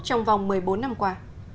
trong vòng một mươi bốn năm qua